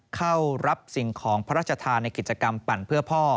เข้ารับสิ่งของพระราชทานในกิจกรรมปั่นเพื่อพ่อ